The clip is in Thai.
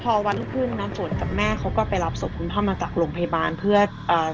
พอวันขึ้นนะฝนกับแม่เขาก็ไปรับศพคุณพ่อมาจากโรงพยาบาลเพื่อเอ่อ